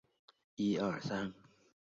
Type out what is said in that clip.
先后投效葛荣及尔朱荣。